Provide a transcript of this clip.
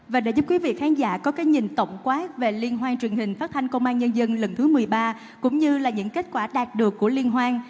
và đã giúp quý vị khán giả có cái nhìn tổng quát về liên hoan truyền hình phát thanh công an nhân dân lần thứ một mươi ba cũng như là những kết quả đạt được của liên hoan